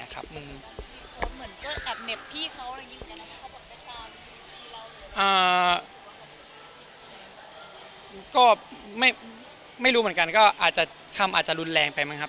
ก็ไม่รู้เหมือนกันก็อาจจะคำอาจจะรุนแรงไปมั้งครับ